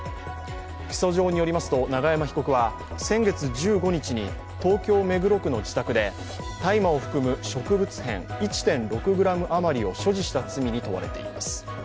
起訴状によりますと永山被告は先月１５日に東京・目黒区の自宅で大麻を含む植物片１．６ｇ余りを所持した罪に問われています。